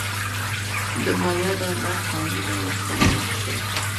د مایا دولت-ښارونه ورسره مخ شول.